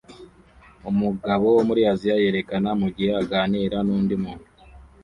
Umugabo wo muri Aziya yerekana mugihe aganira nundi muntu